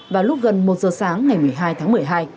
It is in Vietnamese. vào lúc gần một giờ sáng ngày một mươi hai tháng một mươi hai